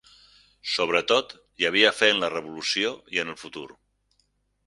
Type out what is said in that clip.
Sobretot, hi havia fe en la revolució i en el futur